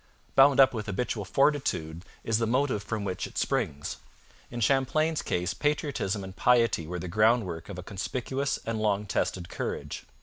Bound up with habitual fortitude is the motive from which it springs. In Champlain's case patriotism and piety were the groundwork of a conspicuous and long tested courage.